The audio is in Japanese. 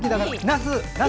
なす！